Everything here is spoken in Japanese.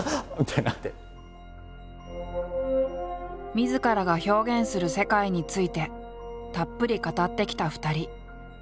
みずからが表現する世界についてたっぷり語ってきた２人。